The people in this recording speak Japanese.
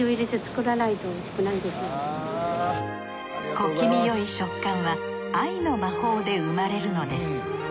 小気味よい食感は愛の魔法で生まれるのです。